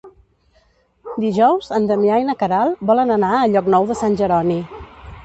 Dijous en Damià i na Queralt volen anar a Llocnou de Sant Jeroni.